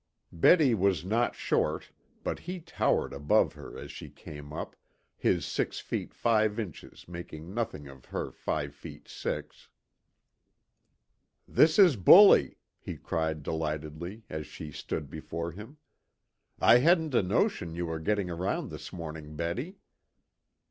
Betty was not short, but he towered above her as she came up, his six feet five inches making nothing of her five feet six. "This is bully," he cried delightedly, as she stood before him. "I hadn't a notion you were getting around this morning, Betty."